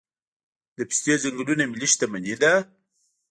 د پستې ځنګلونه ملي شتمني ده؟